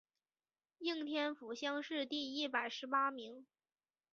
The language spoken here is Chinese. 应天府乡试第一百十八名。